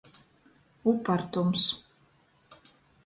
Upartums.